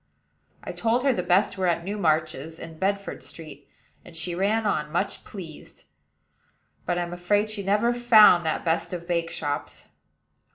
I told her the best were at Newmarch's, in Bedford Street, and she ran on, much pleased; but I'm afraid she never found that best of bake shops.